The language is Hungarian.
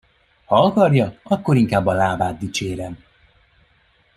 Ha akarja, akkor inkább a lábát dicsérem!